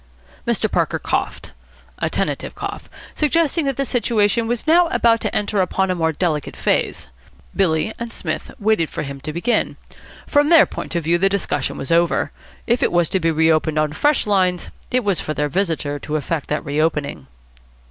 Mr. Parker coughed. A tentative cough, suggesting that the situation was now about to enter upon a more delicate phase. Billy and Psmith waited for him to begin. From their point of view the discussion was over. If it was to be reopened on fresh lines, it was for their visitor to effect that reopening.